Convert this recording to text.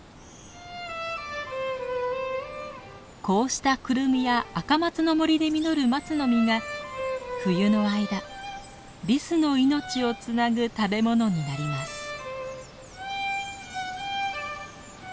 こうしたクルミやアカマツの森で実るマツの実が冬の間リスの命をつなぐ食べ物になります。